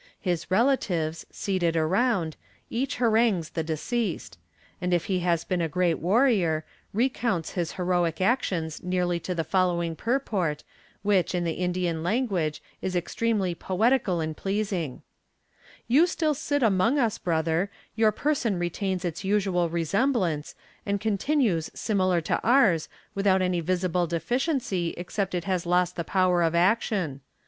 His relatives, seated around, each harangues the deceased; and if he has been a great warrior, recounts his heroic actions nearly to the following purport, which in the Indian language is extremely poetical and pleasing: "'You still sit among us, brother; your person retains its usual resemblance, and continues similar to ours, without any visible deficiency except it has lost the power of action.